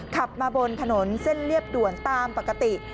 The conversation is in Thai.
ขับมาบนถนนเส้นเรียบด่วนตามปกติ